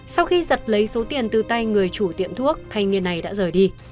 sau khi giật lấy số tiền từ tay người chủ tiệm thuốc thanh niên này đã rời đi